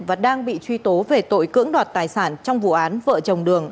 và đang bị truy tố về tội cưỡng đoạt tài sản trong vụ án vợ chồng đường